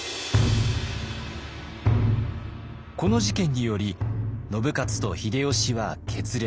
この事件により信雄と秀吉は決裂。